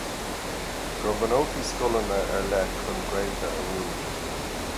Go mbunófaí scoileanna ar leith chun Gaeilge a mhúineadh.